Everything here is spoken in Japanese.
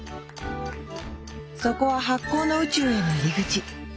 そこは発酵の宇宙への入り口。